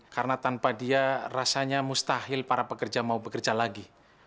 karena tanpa dia rasanya mustahil para pekerja mau bekerja lagi